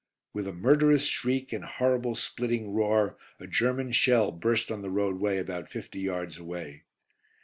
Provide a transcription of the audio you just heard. With a murderous shriek and horrible splitting roar a German shell burst on the roadway about fifty yards away.